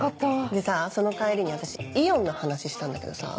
でさその帰りに私イオンの話したんだけどさ。